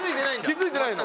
気付いてないの。